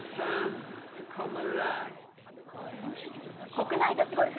国内女子ゴルフ。